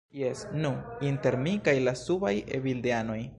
Jes, nu, inter mi kaj la subaj evildeanoj.